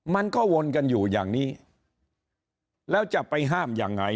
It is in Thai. มันก็วนกันอยู่อย่างนี้แล้วจะไปห้ามยังไง